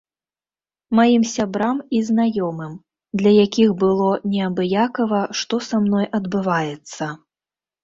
Маім сябрам і знаёмым, для якіх было неабыякава, што са мной адбываецца.